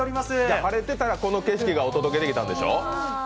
晴れてたら、この景色がお届けできたんでしょう？